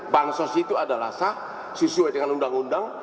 bansos itu adalah sah sesuai dengan undang undang